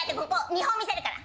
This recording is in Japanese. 見本見せるから。